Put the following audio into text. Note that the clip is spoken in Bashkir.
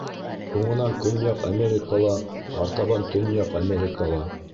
Һуңынан Көнъяҡ Америкала, артабан Төнъяҡ Америкала.